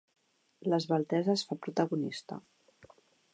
L'esveltesa es fa protagonista.